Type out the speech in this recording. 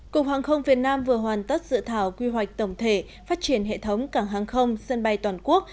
cục hàng không việt nam vừa hoàn tất dự thảo quy hoạch tổng thể phát triển hệ thống cảng hàng không sân bay toàn quốc